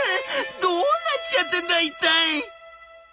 どうなっちゃってんだ一体」。